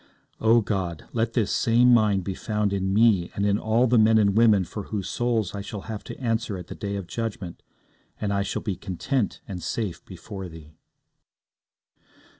O God! let this same mind be found in me and in all the men and women for whose souls I shall have to answer at the day of judgment, and I shall be content and safe before Thee.